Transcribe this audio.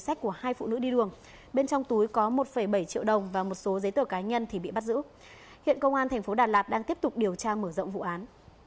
cơ quan cảnh sát điều tra bộ công an đang tiếp tục điều tra mở rộng vụ án